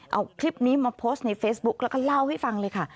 เอาคลิปนี้มาโพสต์ในเฟซบุ๊กแล้วก็เล่าให้ฟังเลยค่ะ